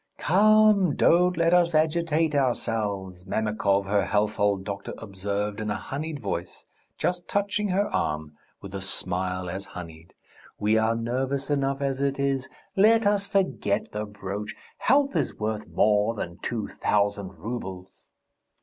"Come, don't let us agitate ourselves," Mamikov, her household doctor, observed in a honeyed voice, just touching her arm, with a smile as honeyed. "We are nervous enough as it is. Let us forget the brooch! Health is worth more than two thousand roubles!"